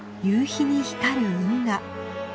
夕日に光る運河。